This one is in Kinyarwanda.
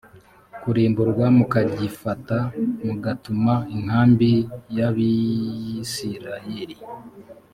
kurimburwa k mukagifata mugatuma inkambi y abisirayeli